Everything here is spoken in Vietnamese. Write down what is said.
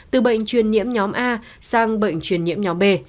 từ bệnh truyền nhiễm nhóm a sang bệnh truyền nhiễm nhóm b